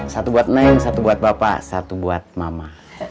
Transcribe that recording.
satu buat main satu buat bapak satu buat mama